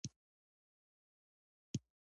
د بسته بندۍ صنعت څنګه دی؟